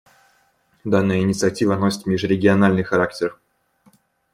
Данная инициатива носит межрегиональный характер.